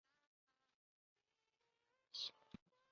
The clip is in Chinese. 石沟寺的历史年代为明。